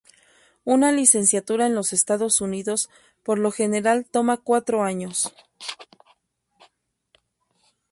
Una licenciatura en los Estados Unidos por lo general toma cuatro años.